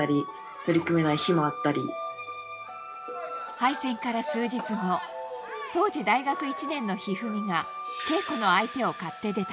敗戦から数日後当時、大学１年の一二三が稽古の相手を買って出た。